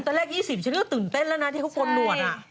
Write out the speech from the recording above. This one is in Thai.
แรก๒๐ฉันก็ตื่นเต้นแล้วนะที่เขาโกนหนวด